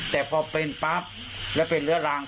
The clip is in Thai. แต่พอเป็นปั๊บแล้วเป็นเรื้อรัง